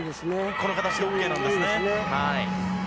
この形でＯＫなんですね。